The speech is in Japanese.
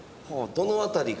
どの辺りが？